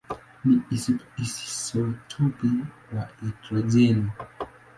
ni isotopi ya hidrojeni.